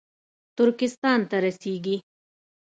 ترکستان ته رسېږي